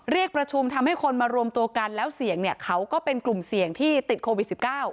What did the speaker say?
เรียกประชุมทำให้คนมารวมตัวกันแล้วเสี่ยงเนี่ยเขาก็เป็นกลุ่มเสี่ยงที่ติดโควิด๑๙